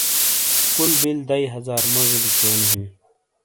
کُل بِل دئیی ہزار موجی لکھیونی ہِیں۔